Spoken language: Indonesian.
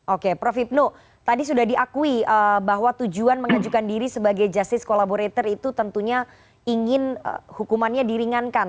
oke prof hipnu tadi sudah diakui bahwa tujuan mengajukan diri sebagai justice collaborator itu tentunya ingin hukumannya diringankan